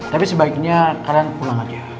tapi sebaiknya kalian pulang aja